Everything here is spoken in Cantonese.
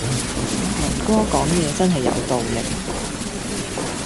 文哥講嘢真係有道理